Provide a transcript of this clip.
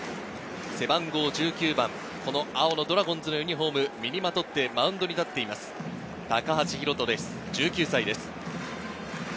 背番号１９番、青のドラゴンズのユニホームを身にまとってマウンドに立っています、高橋宏斗１９歳です。